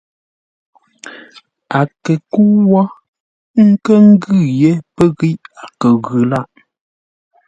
A kə kə́u wó nkə́ ngʉ̂ yé pə́ ghíʼ a kə ghʉ lâʼ.